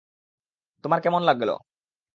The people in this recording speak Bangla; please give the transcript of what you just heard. তোমার কেমন গেল?